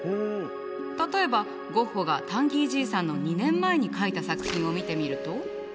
例えばゴッホが「タンギー爺さん」の２年前に描いた作品を見てみると。